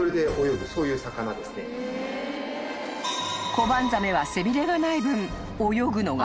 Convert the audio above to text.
［コバンザメは背びれがない分］